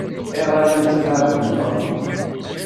Ayɣer i la tt-tettlɛabem akka?